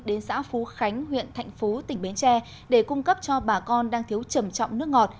đến xã phú khánh huyện thạnh phú tỉnh bến tre để cung cấp cho bà con đang thiếu trầm trọng nước ngọt